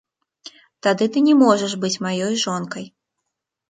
Тады ты не можаш быць маёй жонкай.